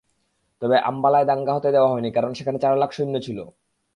তবে আম্বালায় দাঙ্গা হতে দেওয়া হয়নি, কারণ সেখানে চার লাখ সৈন্য ছিল।